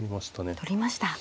取りました。